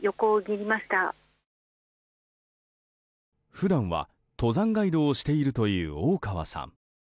普段は登山ガイドをしているという大川さん。